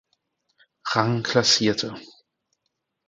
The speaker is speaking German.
Rang klassierte.